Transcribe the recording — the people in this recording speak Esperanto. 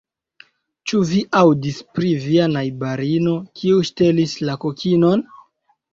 Ĉu vi aŭdis pri via najbarino kiu ŝtelis la kokinon?